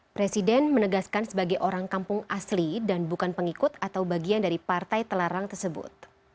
presiden menegaskan sebagai orang kampung asli dan bukan pengikut atau bagian dari partai telarang tersebut